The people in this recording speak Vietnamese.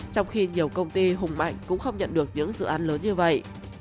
trong khi nhiều công ty hùng mạnh cũng không nhận được những dự án lớn như vậy